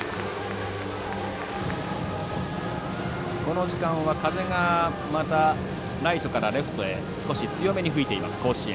この時間は、風がまたライトからレフトへ少し強めに吹いています甲子園。